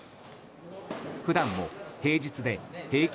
普段も平日で平均